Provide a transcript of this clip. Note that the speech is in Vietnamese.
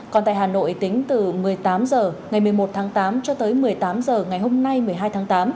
còn tại hà nội tính từ một mươi tám h ngày một mươi một tháng tám cho tới một mươi tám h ngày hôm nay một mươi hai tháng tám